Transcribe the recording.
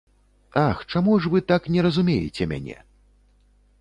Ах, чаму ж вы так не разумееце мяне?